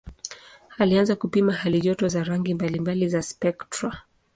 Alianza kupima halijoto za rangi mbalimbali za spektra.